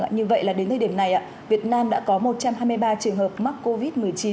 như vậy là đến thời điểm này việt nam đã có một trăm hai mươi ba trường hợp mắc covid một mươi chín